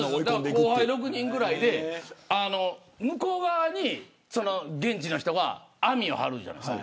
後輩６人ぐらいで向こう側に現地の人が網を張るじゃないですか。